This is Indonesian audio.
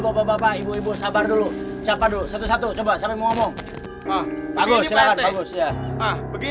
bapak bapak ibu ibu sabar dulu siapa dulu satu satu coba sampai mau ngomong bagus silahkan bagus